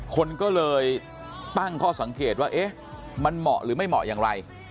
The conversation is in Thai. คนก็เลยตั้งข้อสังเกตว่าเอ๊ะมันเหมาะหรือไม่เหมาะอย่างไร